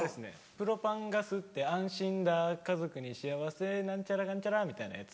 プロパンガスって安心だ家族に幸せ何ちゃらかんちゃらみたいなやつ。